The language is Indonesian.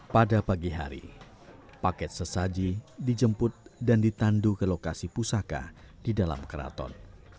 pada pagi hari paket sesaji dijemput dan ditandu ke lokasi pusaka di dalam keraton